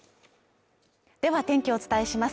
では天気をお伝えします。